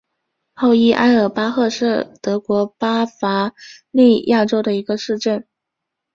奥伊埃尔巴赫是德国巴伐利亚州的一个市镇。